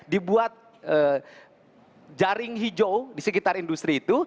dibuat jaring hijau di sekitar industri itu